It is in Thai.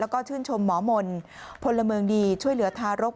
แล้วก็ชื่นชมหมอมนต์พลเมืองดีช่วยเหลือทารก